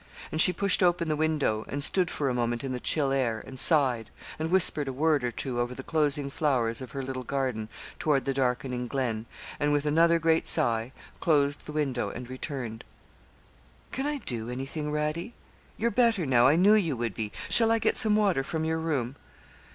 And she pushed open the window, and stood for a moment in the chill air, and sighed, and whispered a word or two over the closing flowers of her little garden toward the darkening glen, and with another great sigh closed the window, and returned. 'Can I do anything, Radie? You're better now. I knew you would be. Shall I get some water from your room?'